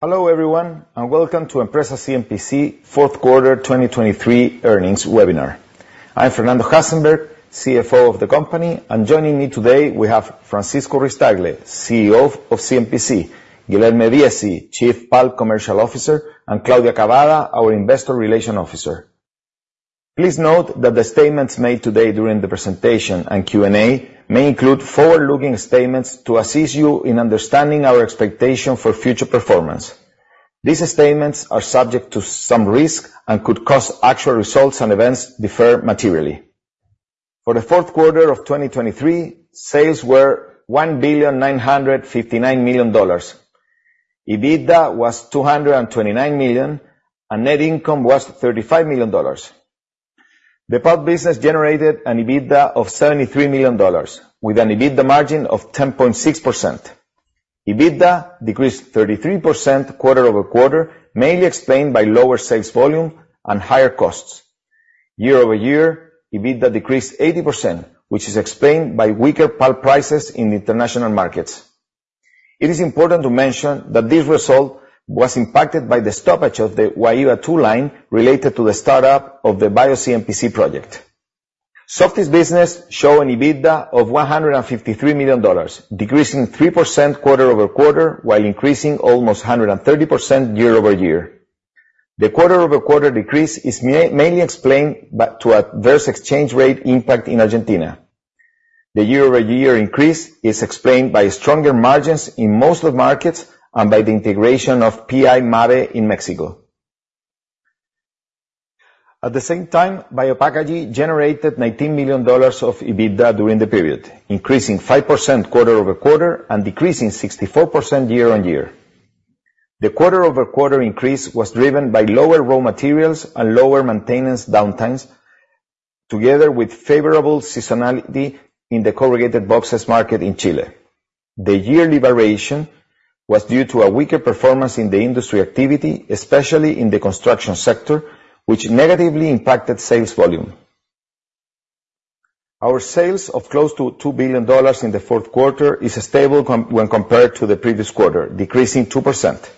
Hello, everyone, and welcome to Empresas CMPC fourth quarter 2023 earnings webinar. I'm Fernando Hasenberg, CFO of the company, and joining me today we have Francisco Ruiz-Tagle, CEO of CMPC, Guilherme Viesi, Chief Pulp Commercial Officer, and Claudia Cavada, our Investor Relations Officer. Please note that the statements made today during the presentation and Q&A may include forward-looking statements to assist you in understanding our expectation for future performance. These statements are subject to some risk and could cause actual results and events differ materially. For the fourth quarter of 2023, sales were $1,959,000. EBITDA was $229 million, and net income was $35 million. The pulp business generated an EBITDA of $73 million, with an EBITDA margin of 10.6%. EBITDA decreased 33% quarter-over-quarter, mainly explained by lower sales volume and higher costs. Year-over-year, EBITDA decreased 80%, which is explained by weaker pulp prices in the international markets. It is important to mention that this result was impacted by the stoppage of the Guaíba 2 line related to the startup of the BioCMPC project. Softys business shows an EBITDA of $153 million, decreasing 3% quarter-over-quarter, while increasing almost 130% year-over-year. The quarter-over-quarter decrease is mainly explained by the adverse exchange rate impact in Argentina. The year-over-year increase is explained by stronger margins in most of the markets and by the integration of P.I. Mabe in Mexico. At the same time, Biopackaging generated $19 million of EBITDA during the period, increasing 5% quarter-over-quarter and decreasing 64% year-on-year. The quarter-over-quarter increase was driven by lower raw materials and lower maintenance downtimes, together with favorable seasonality in the corrugated boxes market in Chile. The yearly variation was due to a weaker performance in the industry activity, especially in the construction sector, which negatively impacted sales volume. Our sales of close to $2 billion in the fourth quarter is stable compared when compared to the previous quarter, decreasing 2%.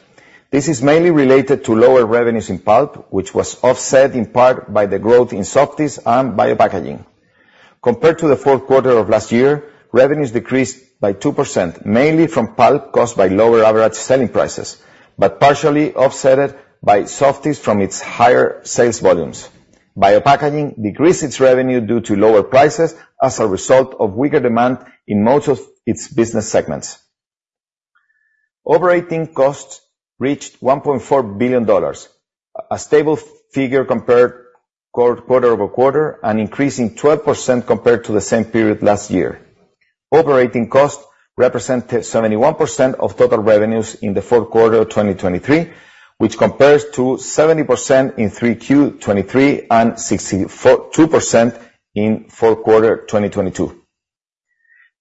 This is mainly related to lower revenues in pulp, which was offset in part by the growth in Softys and Biopackaging. Compared to the fourth quarter of last year, revenues decreased by 2%, mainly from pulp, caused by lower average selling prices, but partially offset by Softys from its higher sales volumes. Biopackaging decreased its revenue due to lower prices as a result of weaker demand in most of its business segments. Operating costs reached $1.4 billion, a stable figure compared quarter-over-quarter, and increasing 12% compared to the same period last year. Operating costs represented 71% of total revenues in the fourth quarter of 2023, which compares to 70% in 3Q 2023 and 64.2% in fourth quarter 2022.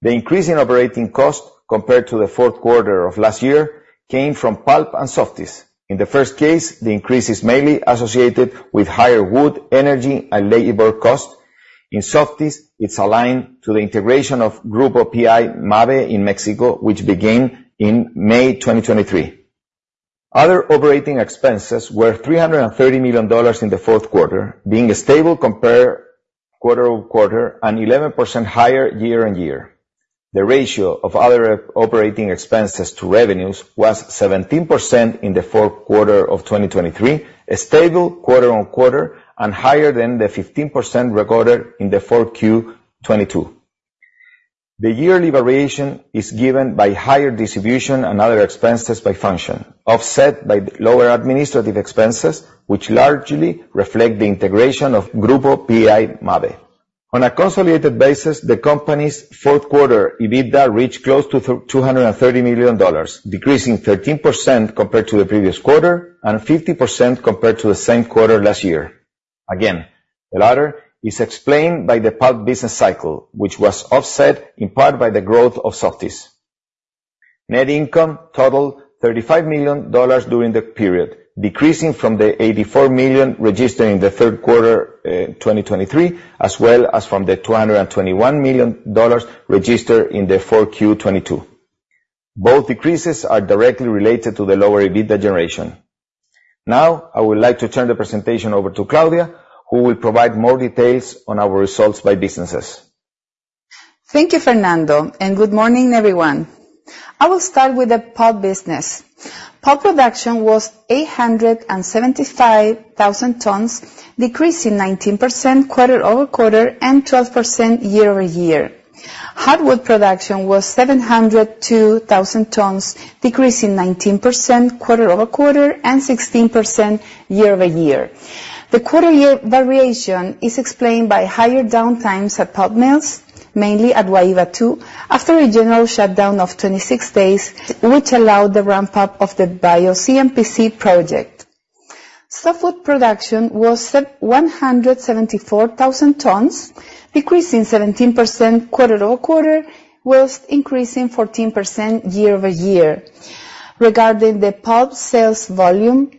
The increase in operating cost compared to the fourth quarter of last year came from pulp and Softys. In the first case, the increase is mainly associated with higher wood, energy, and labor cost. In Softys, it's aligned to the integration of Grupo Mabe in Mexico, which began in May 2023. Other operating expenses were $330 million in the fourth quarter, being stable compared quarter-over-quarter and 11% higher year-on-year. The ratio of other operating expenses to revenues was 17% in the fourth quarter of 2023, stable quarter-on-quarter and higher than the 15% recorded in the 4Q 2022. The yearly variation is given by higher distribution and other expenses by function, offset by lower administrative expenses, which largely reflect the integration of Grupo Mabe. On a consolidated basis, the company's fourth quarter EBITDA reached close to $230 million, decreasing 13% compared to the previous quarter and 50% compared to the same quarter last year. Again, the latter is explained by the pulp business cycle, which was offset in part by the growth of Softys. Net income totaled $35 million during the period, decreasing from the $84 million registered in the third quarter, 2023, as well as from the $221 million registered in the 4Q 2022. Both decreases are directly related to the lower EBITDA generation. Now, I would like to turn the presentation over to Claudia, who will provide more details on our results by businesses. Thank you, Fernando, and good morning, everyone. I will start with the pulp business. Pulp production was 875,000 tons, decreasing 19% quarter-over-quarter and 12% year-over-year. Hardwood production was 702,000 tons, decreasing 19% quarter-over-quarter and 16% year-over-year. The year-over-year variation is explained by higher downtimes at pulp mills, mainly at Guaíba 2, after a general shutdown of 26 days, which allowed the ramp-up of the BioCMPC project. Softwood production was 174,000 tons, decreasing 17% quarter-over-quarter, while increasing 14% year-over-year. Regarding the pulp sales volume,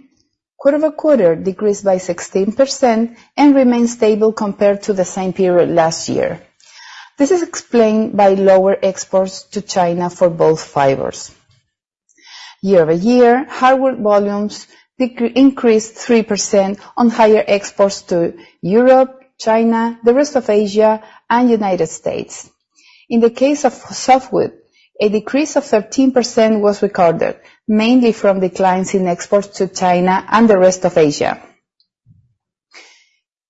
quarter-over-quarter decreased by 16% and remained stable compared to the same period last year. This is explained by lower exports to China for both fibers. Year-over-year, hardwood volumes increased 3% on higher exports to Europe, China, the rest of Asia, and United States. In the case of softwood, a decrease of 13% was recorded, mainly from declines in exports to China and the rest of Asia.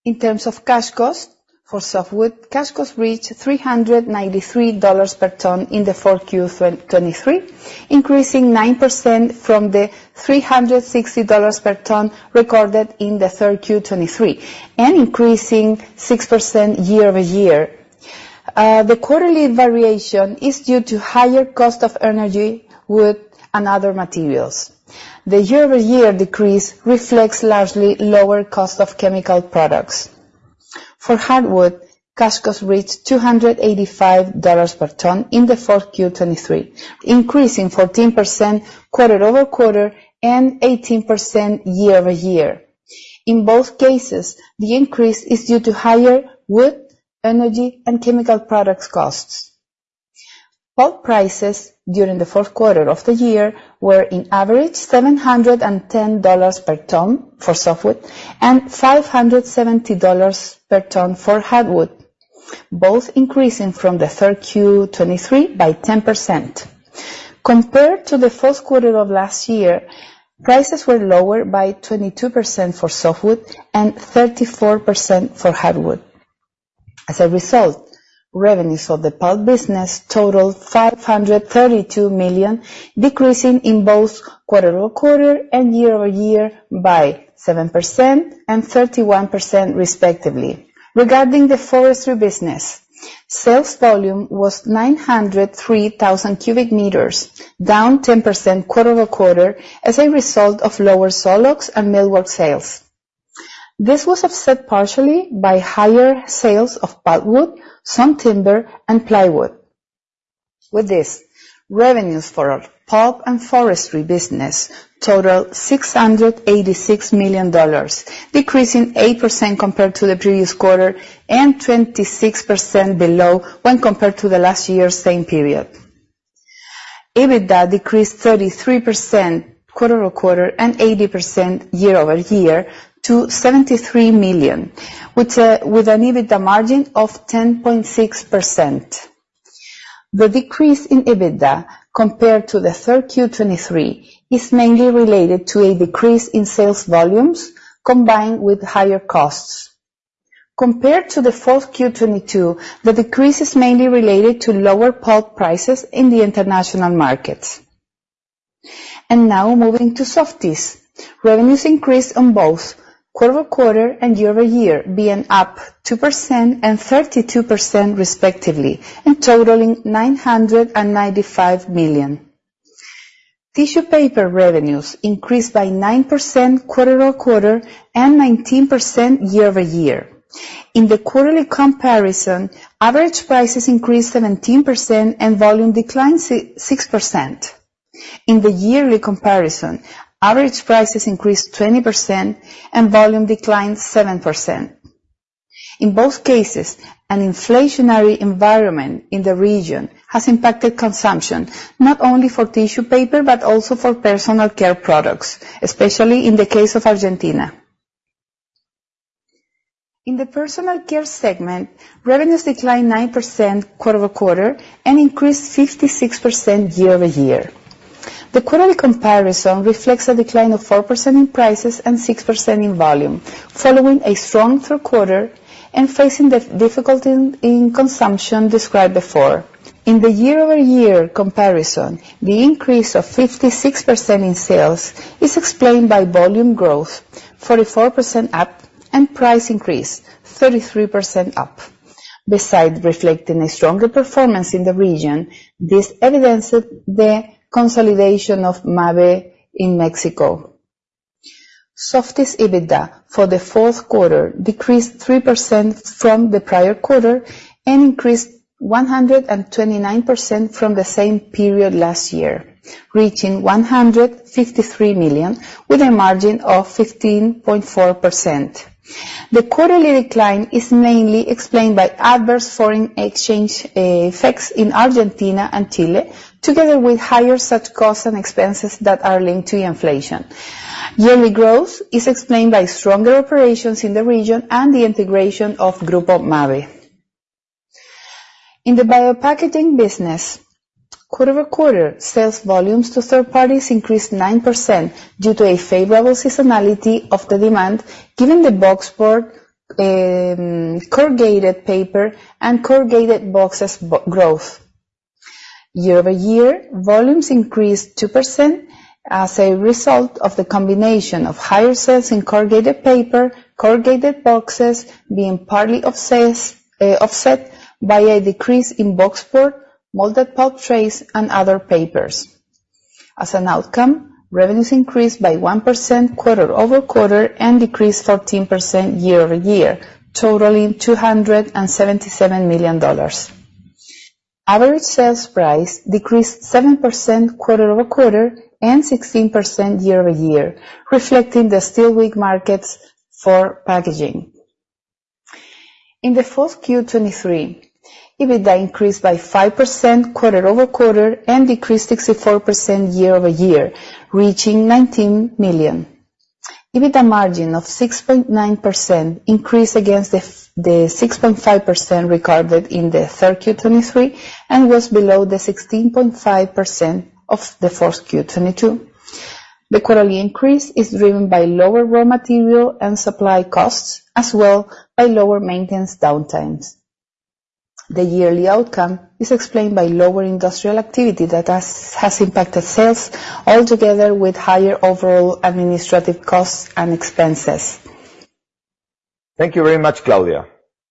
In terms of cash cost for softwood, cash cost reached $393 per ton in the fourth Q 2023, increasing 9% from the $360 per ton recorded in the third Q 2023, and increasing 6% year-over-year. The quarterly variation is due to higher cost of energy, wood, and other materials. The year-over-year decrease reflects largely lower cost of chemical products. For hardwood, cash cost reached $285 per ton in the fourth Q 2023, increasing 14% quarter-over-quarter and 18% year-over-year. In both cases, the increase is due to higher wood, energy, and chemical products costs. Pulp prices during the fourth quarter of the year were on average $710 per ton for softwood and $570 per ton for hardwood, both increasing from the third Q-2023 by 10%. Compared to the fourth quarter of last year, prices were lower by 22% for softwood and 34% for hardwood. As a result, revenues for the pulp business totaled $532 million, decreasing in both quarter-over-quarter and year-over-year by 7% and 31% respectively. Regarding the forestry business, sales volume was 903,000 cubic meters, down 10% quarter-over-quarter as a result of lower sawlogs and millwork sales. This was offset partially by higher sales of pulpwood, some timber, and plywood. With this, revenues for our pulp and forestry business totaled $686 million, decreasing 8% compared to the previous quarter, and 26% below when compared to the last year's same period. EBITDA decreased 33% quarter-over-quarter and 80% year-over-year to $73 million, with, with an EBITDA margin of 10.6%. The decrease in EBITDA compared to the third Q-2023 is mainly related to a decrease in sales volumes combined with higher costs. Compared to the fourth Q-2022, the decrease is mainly related to lower pulp prices in the international markets. Now moving to Softys. Revenues increased on both quarter-over-quarter and year-over-year, being up 2% and 32% respectively, and totaling $995 million. Tissue paper revenues increased by 9% quarter-over-quarter and 19% year-over-year. In the quarterly comparison, average prices increased 17% and volume declined six percent. In the yearly comparison, average prices increased 20% and volume declined 7%. In both cases, an inflationary environment in the region has impacted consumption, not only for tissue paper, but also for personal care products, especially in the case of Argentina. In the personal care segment, revenues declined 9% quarter-over-quarter and increased 56% year-over-year. The quarterly comparison reflects a decline of 4% in prices and 6% in volume, following a strong third quarter and facing the difficulty in consumption described before. In the year-over-year comparison, the increase of 56% in sales is explained by volume growth, 44% up, and price increase, 33% up. Besides reflecting a stronger performance in the region, this evidences the consolidation of Mabe in Mexico. Softys EBITDA for the fourth quarter decreased 3% from the prior quarter and increased 129% from the same period last year, reaching $153 million with a margin of 15.4%. The quarterly decline is mainly explained by adverse foreign exchange effects in Argentina and Chile, together with higher such costs and expenses that are linked to inflation. Yearly growth is explained by stronger operations in the region and the integration of Grupo Mabe. In the Biopackaging business, quarter-over-quarter, sales volumes to third parties increased 9% due to a favorable seasonality of the demand, given the boxboard, corrugated paper and corrugated boxes growth. Year-over-year, volumes increased 2% as a result of the combination of higher sales in corrugated paper, corrugated boxes being partly offset, offset by a decrease in boxboard, molded pulp trays, and other papers. As an outcome, revenues increased by 1% quarter-over-quarter and decreased 14% year-over-year, totaling $277 million. Average sales price decreased 7% quarter-over-quarter, and 16% year-over-year, reflecting the still weak markets for packaging. In the fourth Q 2023, EBITDA increased by 5% quarter-over-quarter, and decreased 64% year-over-year, reaching $19 million. EBITDA margin of 6.9% increased against the the 6.5% recorded in the third Q 2023, and was below the 16.5% of the fourth Q 2022. The quarterly increase is driven by lower raw material and supply costs, as well by lower maintenance downtimes. The yearly outcome is explained by lower industrial activity that has impacted sales, all together with higher overall administrative costs and expenses. Thank you very much, Claudia.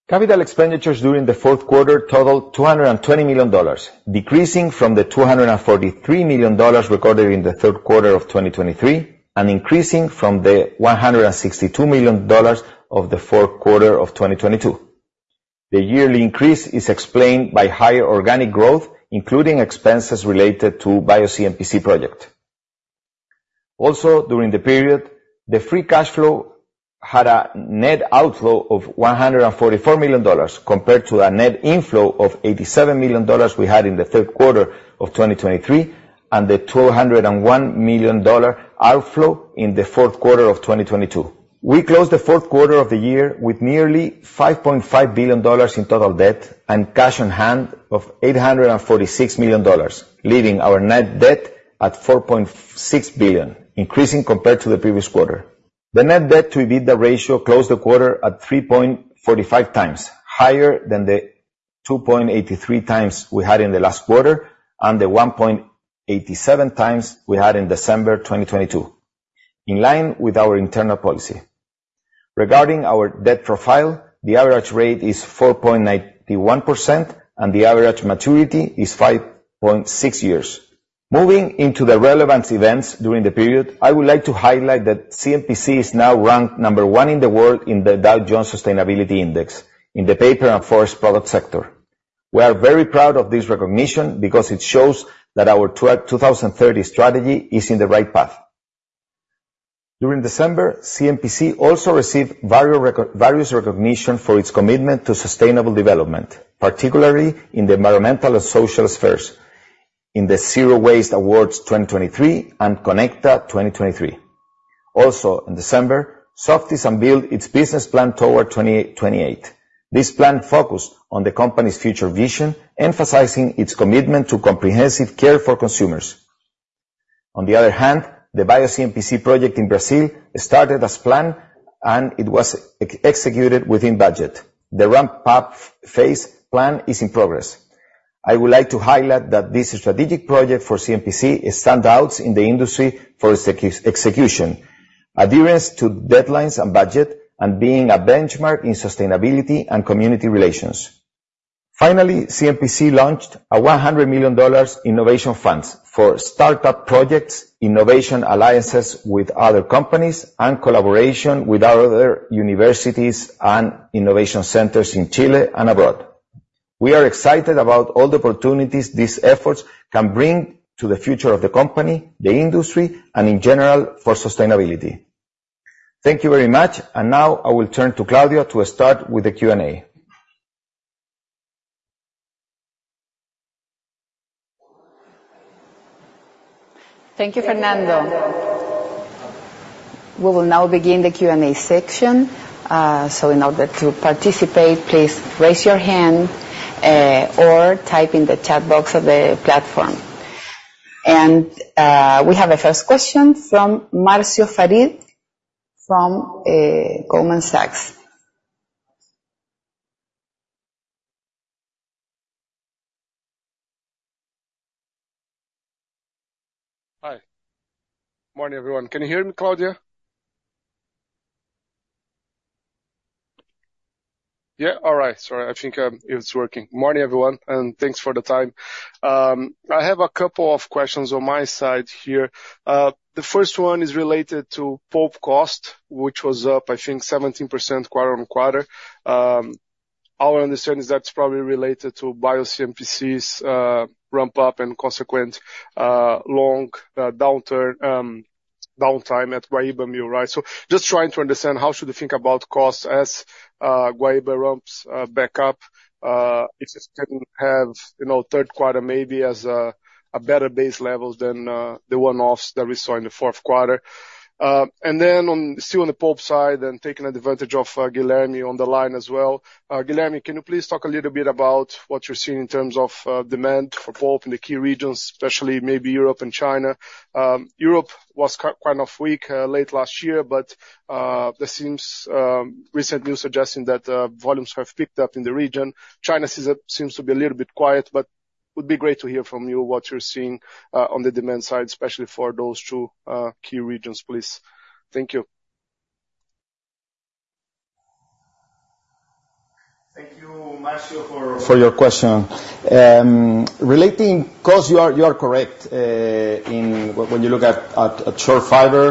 Capital expenditures during the fourth quarter totaled $220 million, decreasing from the $243 million recorded in the third quarter of 2023, and increasing from the $162 million of the fourth quarter of 2022. The yearly increase is explained by higher organic growth, including expenses related to BioCMPC project. Also, during the period, the free cash flow had a net outflow of $144 million, compared to a net inflow of $87 million we had in the third quarter of 2023, and the $201 million dollar outflow in the fourth quarter of 2022. We closed the fourth quarter of the year with nearly $5.5 billion in total debt and cash on hand of $846 million, leaving our net debt at $4.6 billion, increasing compared to the previous quarter. The net debt to EBITDA ratio closed the quarter at 3.45x, higher than the 2.83x we had in the last quarter, and the 1.87x we had in December 2022, in line with our internal policy. Regarding our debt profile, the average rate is 4.91%, and the average maturity is 5.6 years. Moving into the relevant events during the period, I would like to highlight that CMPC is now ranked number one in the world in the Dow Jones Sustainability Index, in the paper and forest product sector. We are very proud of this recognition because it shows that our 2030 strategy is in the right path. During December, CMPC also received various recognition for its commitment to sustainable development, particularly in the environmental and social spheres, in the Zero Waste Awards 2023 and CONECTA 2023. Also, in December, Softys unveiled its business plan toward 2028. This plan focused on the company's future vision, emphasizing its commitment to comprehensive care for consumers. On the other hand, the BioCMPC project in Brazil started as planned, and it was executed within budget. The ramp-up phase plan is in progress. I would like to highlight that this strategic project for CMPC stands out in the industry for its execution, adherence to deadlines and budget, and being a benchmark in sustainability and community relations. Finally, CMPC launched a $100 million innovation funds for startup projects, innovation alliances with other companies, and collaboration with our other universities and innovation centers in Chile and abroad. We are excited about all the opportunities these efforts can bring to the future of the company, the industry, and in general, for sustainability. Thank you very much, and now I will turn to Claudia to start with the Q&A. Thank you, Fernando. We will now begin the Q&A section. So in order to participate, please raise your hand, or type in the chat box of the platform. We have a first question from Marcio Farid from Goldman Sachs. Hi. Morning, everyone. Can you hear me, Claudia? Yeah. All right. Sorry, I think it's working. Morning, everyone, and thanks for the time. I have a couple of questions on my side here. The first one is related to pulp cost, which was up, I think, 17% quarter-on-quarter. Our understanding is that's probably related to BioCMPC's ramp-up and consequent long downtime at Guaíba mill, right? So just trying to understand, how should we think about costs as Guaíba ramps back up, if it's going to have, you know, third quarter, maybe as a better base level than the one-offs that we saw in the fourth quarter? And then on... still on the pulp side and taking advantage of Guilherme on the line as well. Guilherme, can you please talk a little bit about what you're seeing in terms of demand for pulp in the key regions, especially maybe Europe and China? Europe was kind of weak late last year, but there seems recent news suggesting that volumes have picked up in the region. China seems to be a little bit quiet, but would be great to hear from you what you're seeing on the demand side, especially for those two key regions, please. Thank you. Thank you, Marcio, for your question. Relating cost, you are correct in when you look at short fiber,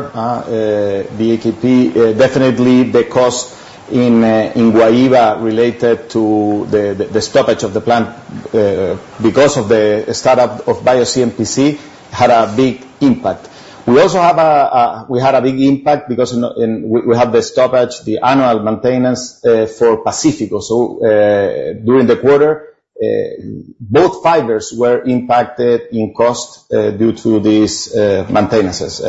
the ATP, definitely the cost in Guaíba related to the stoppage of the plant because of the startup of BioCMPC had a big impact. We had a big impact because we have the stoppage, the annual maintenance for Pacífico. So, during the quarter, both fibers were impacted in cost due to these maintenances.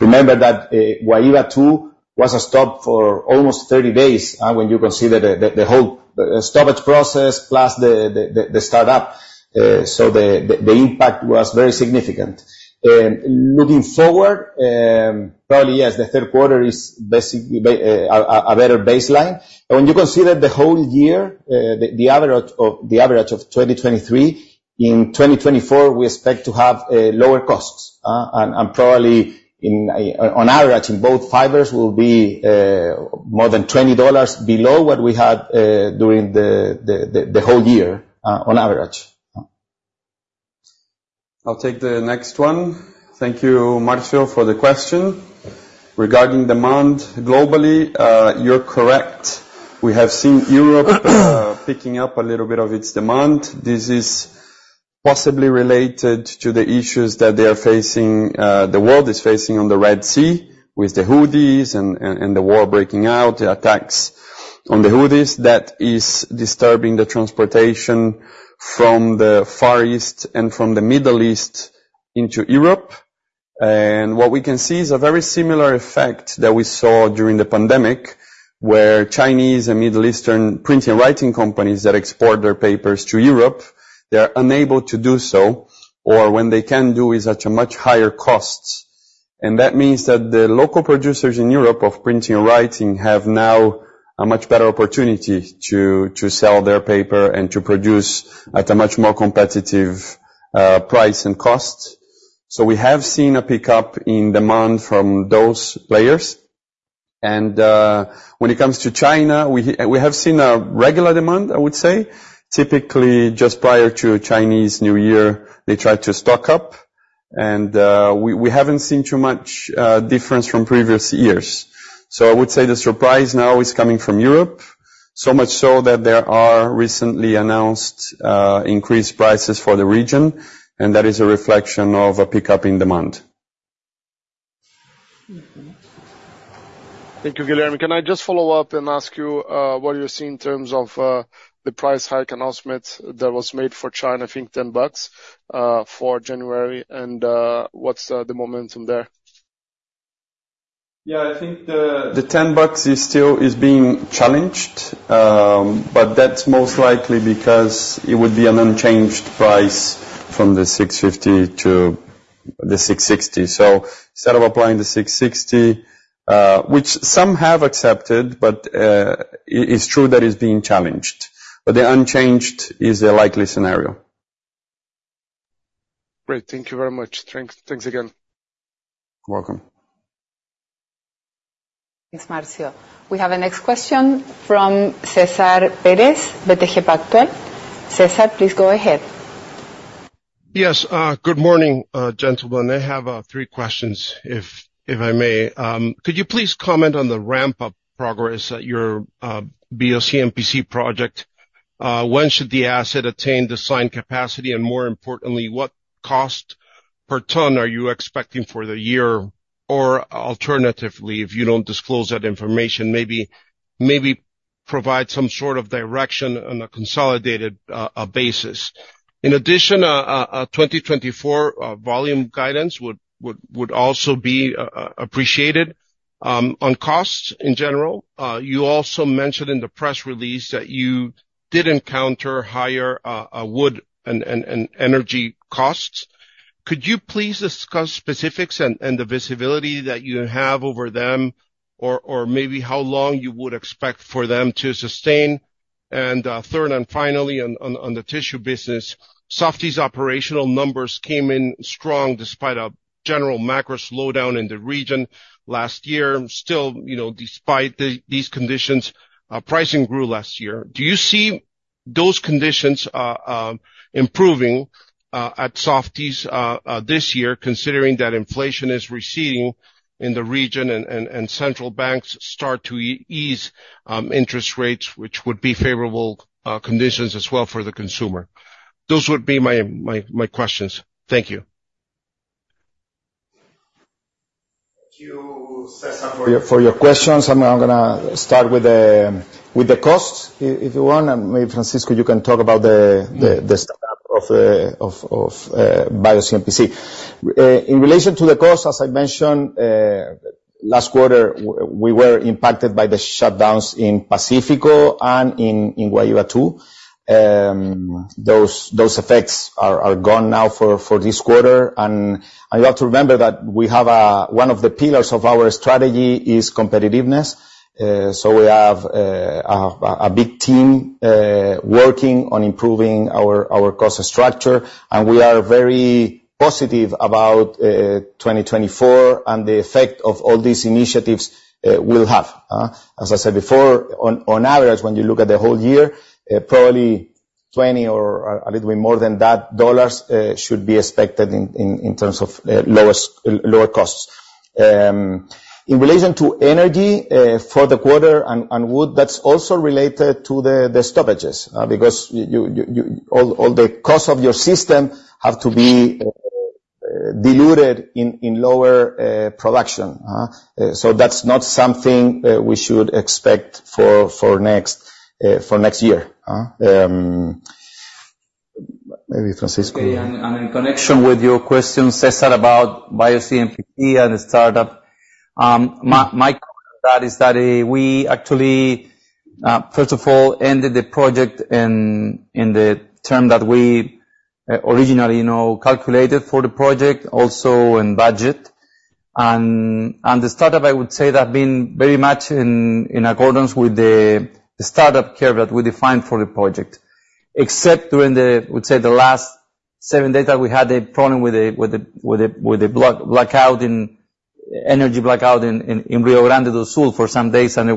Remember that Guaíba 2 was stopped for almost 30 days when you consider the whole stoppage process plus the startup. So the impact was very significant. Looking forward, probably, yes, the third quarter is basically a better baseline. But when you consider the whole year, the average of 2023, in 2024, we expect to have lower costs. And probably on average, in both fibers will be more than $20 below what we had during the whole year on average. I'll take the next one. Thank you, Marcio, for the question. Regarding demand globally, you're correct. We have seen Europe picking up a little bit of its demand. This is possibly related to the issues that they are facing, the world is facing on the Red Sea, with the Houthis and the war breaking out, the attacks on the Houthis. That is disturbing the transportation from the Far East and from the Middle East into Europe. And what we can see is a very similar effect that we saw during the pandemic, where Chinese and Middle Eastern printing and writing companies that export their papers to Europe, they are unable to do so, or when they can do, is at a much higher cost. That means that the local producers in Europe of printing and writing have now a much better opportunity to sell their paper and to produce at a much more competitive price and cost. So we have seen a pickup in demand from those players. When it comes to China, we have seen a regular demand, I would say. Typically, just prior to Chinese New Year, they try to stock up, and we haven't seen too much difference from previous years. So I would say the surprise now is coming from Europe. So much so that there are recently announced increased prices for the region, and that is a reflection of a pickup in demand. Thank you, Guilherme. Can I just follow up and ask you, what you see in terms of, the price hike announcement that was made for China? I think $10 for January, and, what's the momentum there? Yeah, I think the $10 is still being challenged, but that's most likely because it would be an unchanged price from the $650-$660. So instead of applying the $660, which some have accepted, but it's true that it's being challenged. But the unchanged is a likely scenario. Great. Thank you very much. Thanks, thanks again. You're welcome. Thanks, Marcio. We have our next question from Cesar Perez, BTG Pactual. Cesar, please go ahead. Yes, good morning, gentlemen. I have three questions, if I may. Could you please comment on the ramp-up progress at your BioCMPC project? When should the asset attain design capacity, and more importantly, what cost per ton are you expecting for the year? Or alternatively, if you don't disclose that information, maybe provide some sort of direction on a consolidated basis. In addition, a 2024 volume guidance would also be appreciated. On costs in general, you also mentioned in the press release that you did encounter higher wood and energy costs. Could you please discuss specifics and the visibility that you have over them, or maybe how long you would expect for them to sustain? And, third and finally, on the tissue business, Softys' operational numbers came in strong, despite a general macro slowdown in the region last year. Still, you know, despite these conditions, pricing grew last year. Do you see those conditions improving at Softys this year, considering that inflation is receding in the region and central banks start to ease interest rates, which would be favorable conditions as well for the consumer? Those would be my questions. Thank you. Thank you, Cesar, for your questions. I'm gonna start with the costs, if you want, and maybe, Francisco, you can talk about the startup of BioCMPC. In relation to the costs, as I mentioned last quarter, we were impacted by the shutdowns in Pacífico and in Guaíba 2. Those effects are gone now for this quarter, and you have to remember that we have... One of the pillars of our strategy is competitiveness. So we have a big team working on improving our cost structure, and we are very positive about 2024 and the effect of all these initiatives will have. As I said before, on average, when you look at the whole year, probably-... $20 or a little bit more than that should be expected in terms of lower costs. In relation to energy for the quarter and wood, that's also related to the stoppages, because all the costs of your system have to be diluted in lower production. So that's not something we should expect for next year. Maybe Francisco. Okay, and in connection with your question, Cesar, about BioCMPC and the startup. My comment on that is that we actually first of all ended the project in the term that we originally you know calculated for the project, also in budget. And the startup, I would say, that been very much in accordance with the startup curve that we defined for the project. Except during the, I would say, the last seven days that we had a problem with the energy blackout in Rio Grande do Sul for some days, and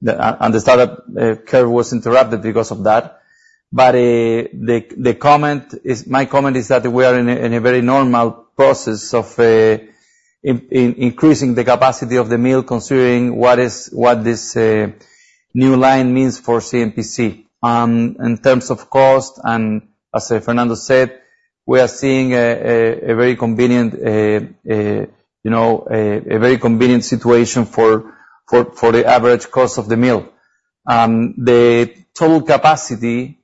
the startup curve was interrupted because of that. But the comment is... My comment is that we are in a very normal process of in increasing the capacity of the mill, considering what this new line means for CMPC. In terms of cost, and as Fernando said, we are seeing a very convenient, you know, a very convenient situation for the average cost of the mill. The total capacity,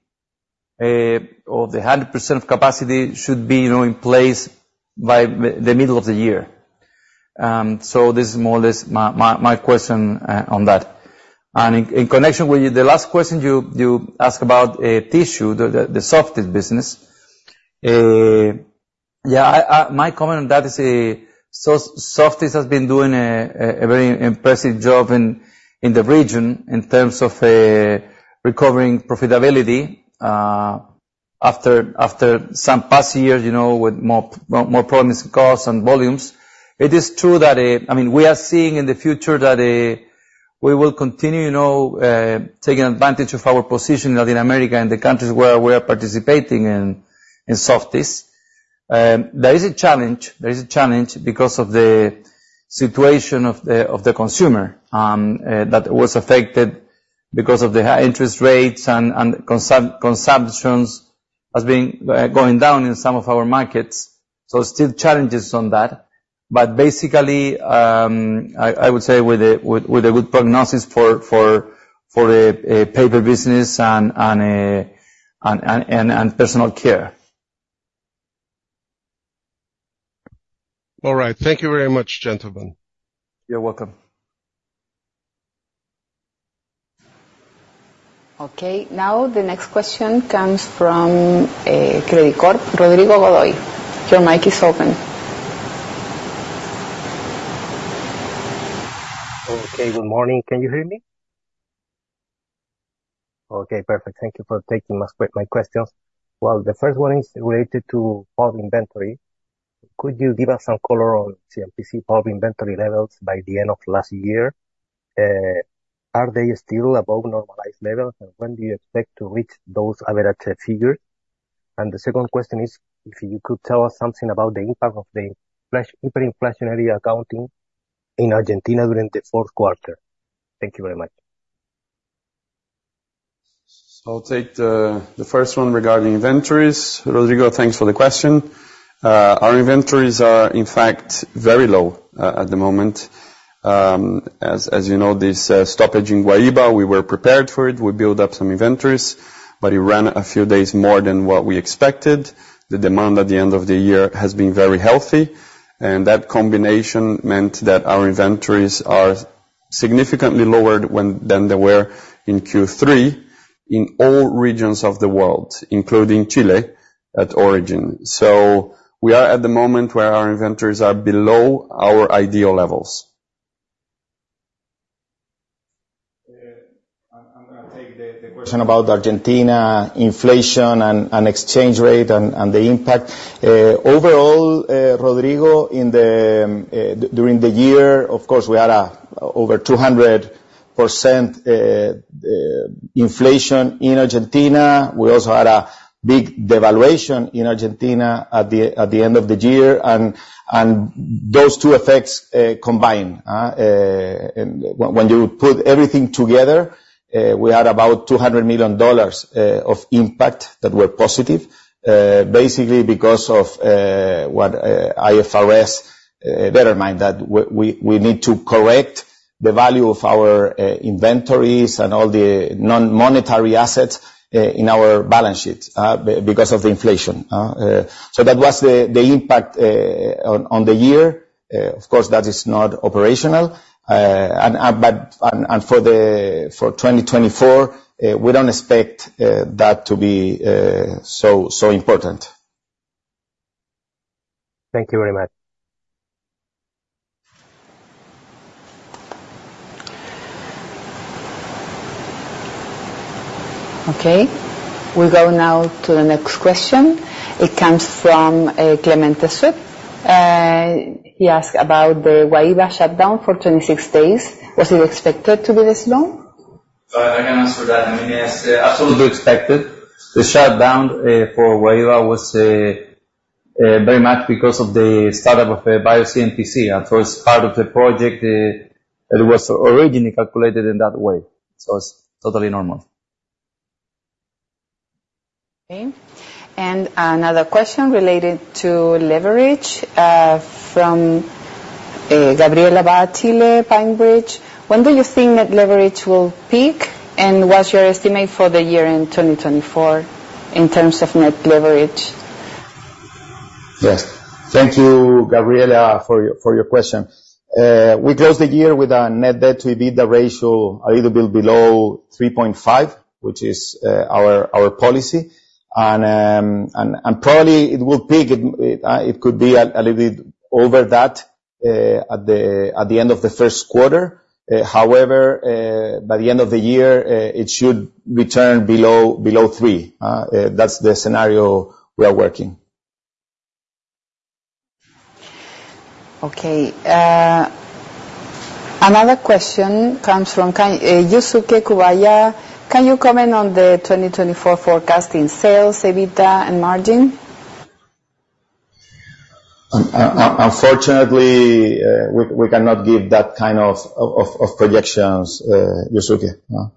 or the 100% of capacity should be, you know, in place by the middle of the year. So this is more or less my question on that. And in connection with you, the last question you asked about tissue, the Softys business. Yeah, I... My comment on that is, Softys has been doing a very impressive job in the region in terms of recovering profitability after some past years, you know, with more problems in costs and volumes. It is true that, I mean, we are seeing in the future that we will continue, you know, taking advantage of our position in Latin America and the countries where we are participating in Softys. There is a challenge, there is a challenge because of the situation of the consumer that was affected because of the high interest rates and consumptions has been going down in some of our markets. So, still challenges on that, but basically, I would say with a good prognosis for a paper business and personal care. All right. Thank you very much, gentlemen. You're welcome. Okay, now the next question comes from Credicorp. Rodrigo Godoy, your mic is open. Okay, good morning. Can you hear me? Okay, perfect. Thank you for taking my questions. Well, the first one is related to pulp inventory. Could you give us some color on CMPC pulp inventory levels by the end of last year? Are they still above normalized levels, and when do you expect to reach those average figures? And the second question is, if you could tell us something about the impact of the hyperinflationary accounting in Argentina during the fourth quarter. Thank you very much. I'll take the first one regarding inventories. Rodrigo, thanks for the question. Our inventories are, in fact, very low at the moment. As you know, this stoppage in Guaíba, we were prepared for it. We built up some inventories, but it ran a few days more than what we expected. The demand at the end of the year has been very healthy, and that combination meant that our inventories are significantly lower than they were in Q3, in all regions of the world, including Chile, at origin. So we are at the moment where our inventories are below our ideal levels. I'm gonna take the question about Argentina, inflation and exchange rate and the impact. Overall, Rodrigo, during the year, of course, we had over 200% inflation in Argentina. We also had a big devaluation in Argentina at the end of the year, and those two effects combined. And when you put everything together, we had about $200 million of impact that were positive. Basically because of what IFRS—bear in mind that we need to correct the value of our inventories and all the non-monetary assets in our balance sheet because of the inflation. So that was the impact on the year. Of course, that is not operational. For 2024, we don't expect that to be so important. Thank you very much. Okay, we go now to the next question. It comes from, Clemente [Soup]. He asked about the Guaíba shutdown for 26 days. Was it expected to be this long?... I can answer that. I mean, yes, absolutely expected. The shutdown for Guaíba was very much because of the startup of BioCMPC, and first part of the project, it was originally calculated in that way, so it's totally normal. Okay, and another question related to leverage from Gabriella Bartile, PineBridge: When do you think net leverage will peak, and what's your estimate for the year in 2024 in terms of net leverage? Yes. Thank you, Gabriella, for your, for your question. We closed the year with our net debt to EBITDA ratio a little bit below 3.5, which is our policy. And probably it will peak, it could be a little bit over that at the end of the first quarter. However, by the end of the year, it should return below 3. That's the scenario we are working. Okay. Another question comes from Yusuke Kuwayama: Can you comment on the 2024 forecasting sales, EBITDA, and margin? Unfortunately, we cannot give that kind of projections, Yusuke. No.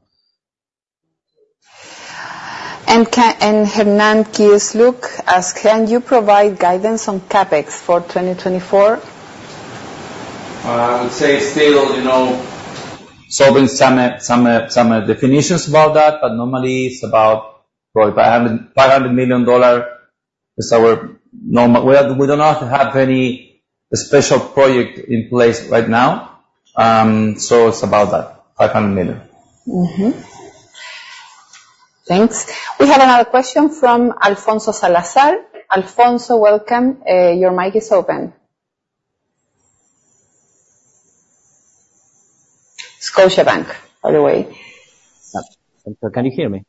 Hernan Kisluk asks: Can you provide guidance on CapEx for 2024? I would say still, you know, solving some definitions about that, but normally it's about probably $500 million is our normal... We do not have any special project in place right now. So it's about that, $500 million. Mm-hmm. Thanks. We have another question from Alfonso Salazar. Alfonso, welcome. Your mic is open. Scotiabank, by the way. Can you hear me?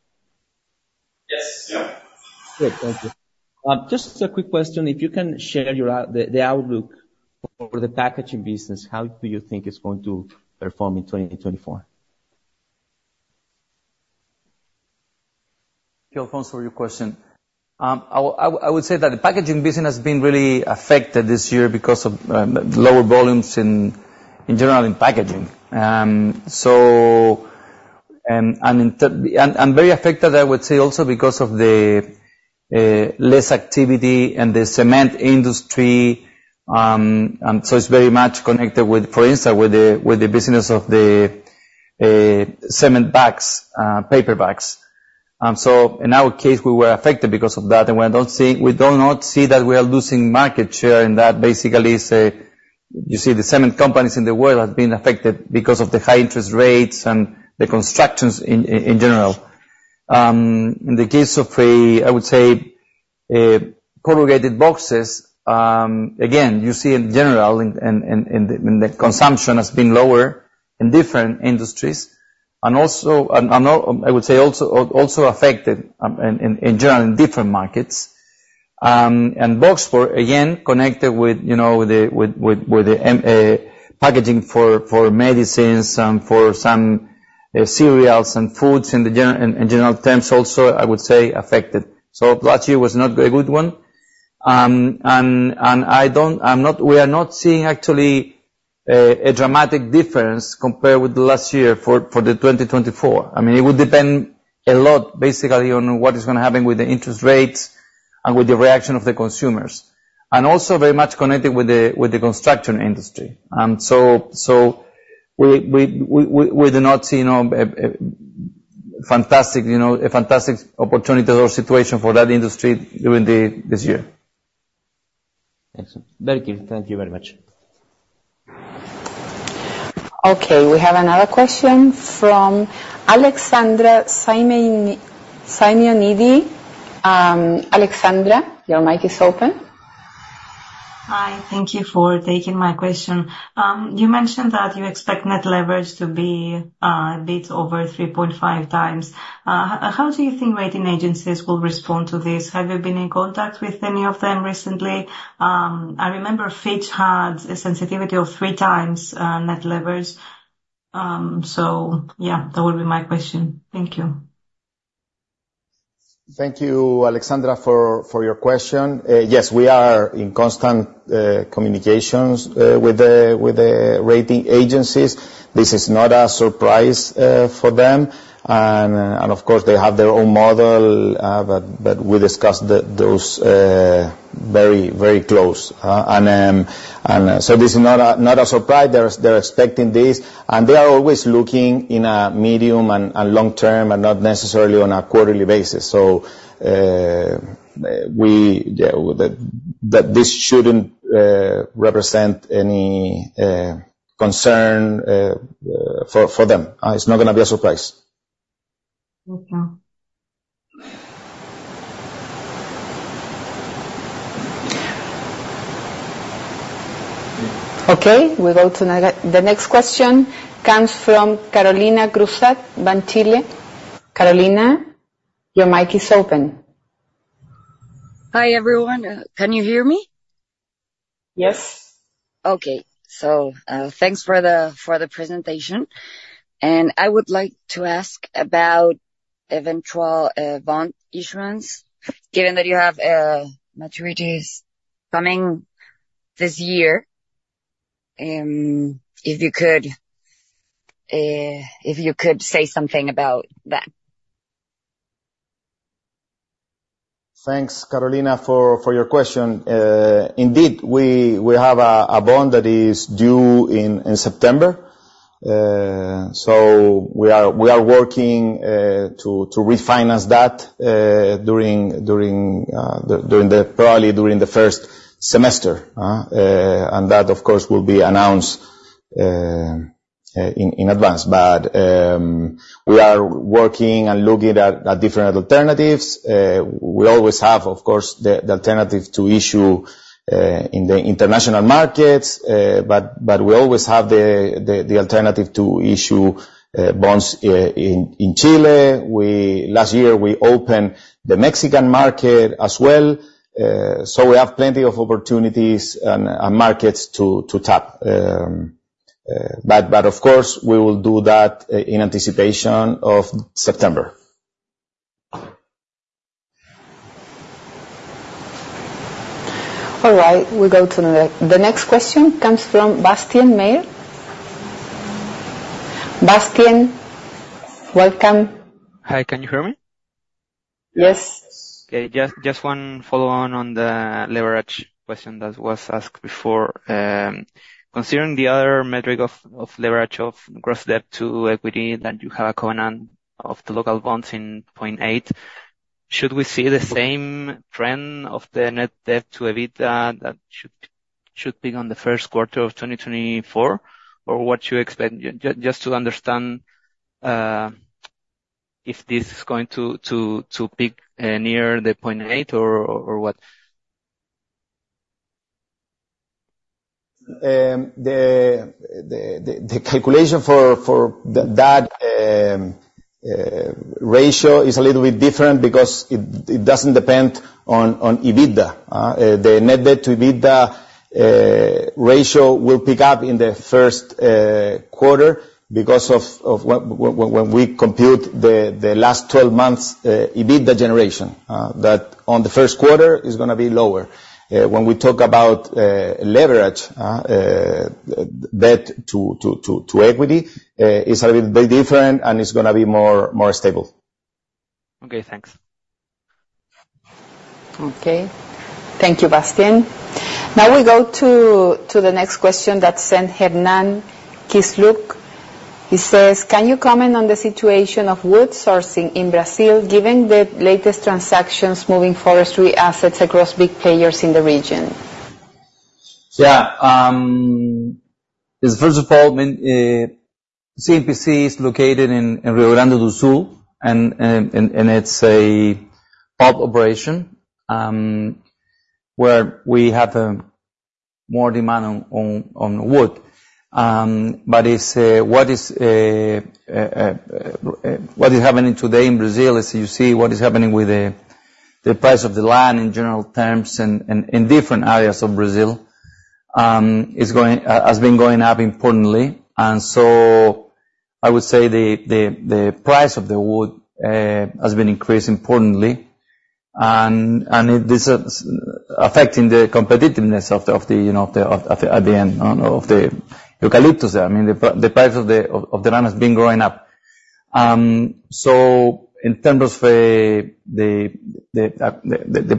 Yes. Yeah. Great, thank you. Just a quick question. If you can share your outlook for the packaging business, how do you think it's going to perform in 2024? Thank you, Alfonso, for your question. I would say that the packaging business has been really affected this year because of lower volumes in general in packaging. So, and very affected, I would say also because of the less activity in the cement industry. And so it's very much connected with, for instance, with the business of the cement bags, paper bags. So in our case, we were affected because of that, and we don't see... we do not see that we are losing market share in that. Basically, it's a, you see the cement companies in the world have been affected because of the high interest rates and the constructions in general. In the case of, I would say, corrugated boxes, again, you see, in general, the consumption has been lower in different industries, and also, I would say also, affected in general in different markets. And boxboard, again, connected with, you know, the packaging for medicines and for some cereals and foods in general terms, also, I would say, affected. So last year was not a good one. And I don't, I'm not—we are not seeing actually a dramatic difference compared with the last year for 2024. I mean, it would depend a lot, basically, on what is gonna happen with the interest rates and with the reaction of the consumers, and also very much connected with the construction industry. And so we do not see, you know, a fantastic, you know, a fantastic opportunity or situation for that industry during this year. Excellent. Thank you. Thank you very much. Okay, we have another question from Alexandra Symeonidi. Alexandra, your mic is open. Hi, thank you for taking my question. You mentioned that you expect net leverage to be a bit over 3.5x. How do you think rating agencies will respond to this? Have you been in contact with any of them recently? I remember Fitch had a sensitivity of 3x net leverage. So yeah, that would be my question. Thank you. Thank you, Alexandra, for your question. Yes, we are in constant communications with the rating agencies. This is not a surprise for them. Of course, they have their own model, but we discussed those very, very close. And so this is not a surprise. They're expecting this, and they are always looking in a medium and long term, and not necessarily on a quarterly basis. So, we... Yeah, that this shouldn't represent any concern for them. It's not gonna be a surprise. Okay. Okay, we go to the next question comes from Carolina Cruzat, Banchile. Carolina, your mic is open.... Hi, everyone. Can you hear me? Yes. Okay. So, thanks for the presentation. And I would like to ask about eventual bond issuance, given that you have maturities coming this year. If you could say something about that. Thanks, Carolina, for your question. Indeed, we have a bond that is due in September. So we are working to refinance that during the--probably during the first semester, and that, of course, will be announced in advance. But we are working and looking at different alternatives. We always have, of course, the alternative to issue in the international markets, but we always have the alternative to issue bonds in Chile. Last year, we opened the Mexican market as well, so we have plenty of opportunities and markets to tap. But of course, we will do that in anticipation of September. All right, we go to the next. The next question comes from Bastian Mayer. Bastian, welcome. Hi. Can you hear me? Yes. Okay. Just one follow-on on the leverage question that was asked before. Considering the other metric of leverage, of gross debt to equity, that you have a covenant of the local bonds in 0.8x, should we see the same trend of the net debt to EBITDA that should be on the first quarter of 2024? Or what you expect? Just to understand, if this is going to peak near the 0.8x or what? The calculation for that ratio is a little bit different because it doesn't depend on EBITDA. The net debt to EBITDA ratio will pick up in the first quarter because of when we compute the last 12 months EBITDA generation. That on the first quarter is gonna be lower. When we talk about leverage, debt to equity, it's a little bit different, and it's gonna be more stable. Okay, thanks. Okay. Thank you, Bastian. Now we go to the next question that sent Hernan Kisluk. He says: "Can you comment on the situation of wood sourcing in Brazil, given the latest transactions moving forestry assets across big players in the region? Yeah. First of all, CMPC is located in Rio Grande do Sul, and it's a hub operation, where we have more demand on wood. But what is happening today in Brazil is you see what is happening with the price of the land in general terms, in different areas of Brazil, is going... has been going up importantly. And so I would say the price of the wood has been increased importantly, and it is affecting the competitiveness of the, you know, the eucalyptus there. I mean, the price of the land has been going up. So in terms of the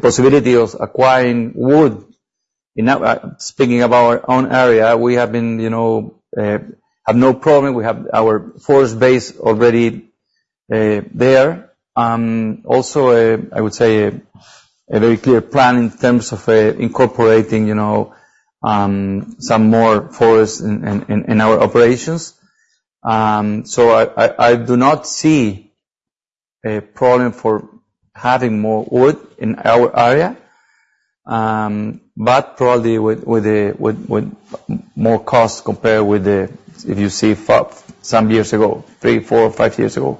possibility of acquiring wood, in our speaking of our own area, we have been, you know, have no problem. We have our forest base already there. Also, I would say a very clear plan in terms of incorporating, you know, some more forest in our operations. So I do not see a problem for having more wood in our area, but probably with more cost compared with the, if you see for some years ago, three years, four years, five years ago.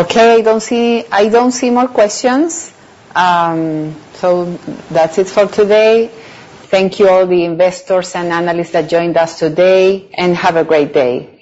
Okay, I don't see, I don't see more questions. So that's it for today. Thank you all the investors and analysts that joined us today, and have a great day.